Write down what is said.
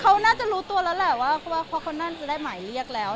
เขาน่าจะรู้ตัวแล้วแหละว่าเพราะว่าเขาน่าจะได้หมายเรียกแล้ว